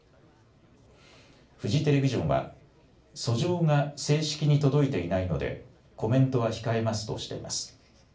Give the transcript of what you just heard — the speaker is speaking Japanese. フジテレビジョンは訴状が正式に届いていないのでコメントは控えますとしています。